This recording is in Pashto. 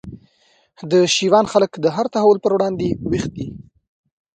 د شېوان خلک د هر تحول پر وړاندي ویښ دي